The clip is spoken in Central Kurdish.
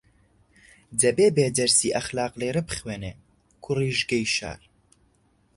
دەبێ بێ دەرسی ئەخلاق لێرە بخوێنێ کوڕیژگەی شار